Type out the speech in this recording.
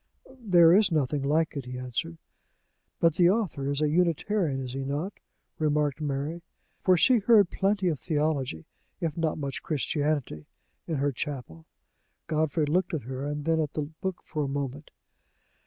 "There is nothing like it," he answered. "But the author is a Unitarian, is he not?" remarked Mary for she heard plenty of theology, if not much Christianity, in her chapel. Godfrey looked at her, then at the book for a moment.